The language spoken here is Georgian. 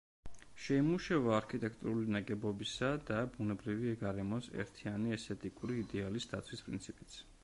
შეიმუშავა არქიტექტურული ნაგებობისა და ბუნებრივი გარემოს ერთიანი ესთეტიკური იდეალის დაცვის პრინციპიც.